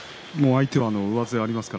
相手は上背があります。